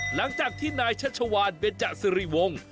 หลังจากที่นายชัชวานเบนจสิริวงศ์